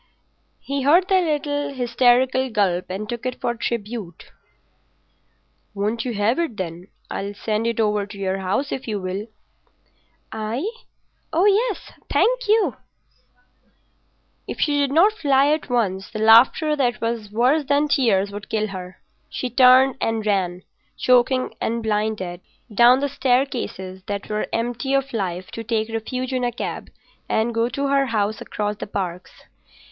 He heard the little hysterical gulp and took it for tribute. "Won't you have it, then? I'll send it over to your house if you will." "I? Oh yes—thank you. Ha! ha!" If she did not fly at once the laughter that was worse than tears would kill her. She turned and ran, choking and blinded, down the staircases that were empty of life to take refuge in a cab and go to her house across the Parks.